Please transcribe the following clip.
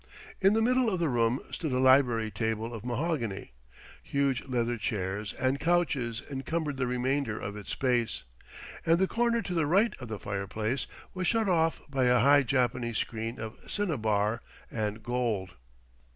In the middle of the room stood a library table of mahogany; huge leather chairs and couches encumbered the remainder of its space. And the corner to the right of the fireplace was shut off by a high Japanese screen of cinnabar and gold.